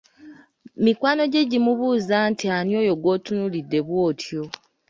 Mikwano gye gimubuuza nti ani oyo gw’otunuulidde bw’otyo?